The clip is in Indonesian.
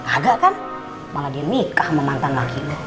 agak kan malah di nikah sama mantan laki lu